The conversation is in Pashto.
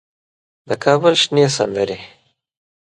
د کابل شنې سندرې